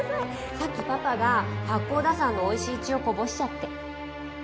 さっきパパが八甲田山のおいしい血をこぼしちゃって。